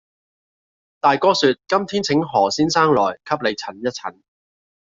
大哥説，「今天請何先生來，給你診一診。」